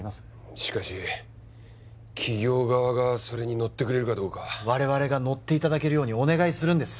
しかし企業側がそれに乗ってくれるかどうか我々が乗っていただけるようにお願いするんです